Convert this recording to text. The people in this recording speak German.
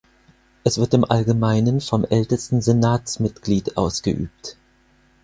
Es wird im Allgemeinen vom ältesten Senatsmitglied ausgeübt.